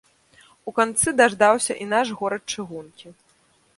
У канцы даждаўся і наш горад чыгункі.